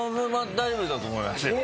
大丈夫だと思いますよ。